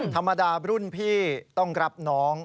ธรรมดารุ่นพี่ต้องรับน้อง